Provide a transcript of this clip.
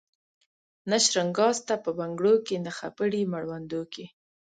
نه شرنګا سته په بنګړو کي نه خپړي مړوندو کي